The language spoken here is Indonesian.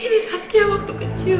ini saskia waktu kecil